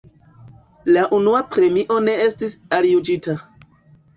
La unua premio ne estis aljuĝita.